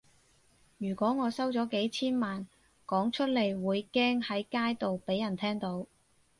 如果我收咗幾千萬，講出嚟會驚喺街度畀人聽到